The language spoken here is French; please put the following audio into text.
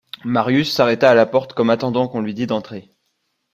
Marius s’arrêta à la porte comme attendant qu’on lui dit d’entrer.